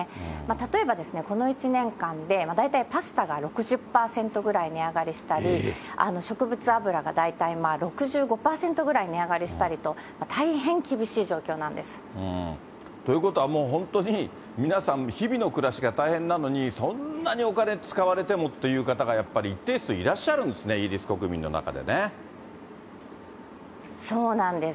例えばですね、この１年間で大体パスタが６０％ぐらい値上がりしたり、植物油が大体６５％ぐらい値上がりしたりと、大変厳しい状況なんでということは、本当に皆さん日々の暮らしが大変なのに、そんなにお金使われてもっていう方がやっぱり一定数いらっしゃるそうなんです。